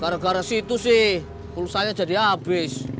gara gara situ sih pulsa nya jadi abis